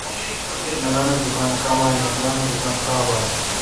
عمرانہ دکان کمااین۔۔عمران اے° دکان کاں بااین